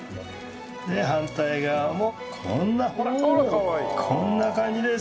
反対側もこんなこんな感じです。